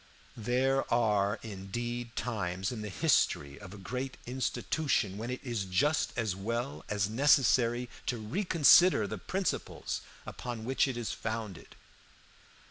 "There are indeed times in the history of a great institution when it is just as well as necessary to reconsider the principles upon which it is founded.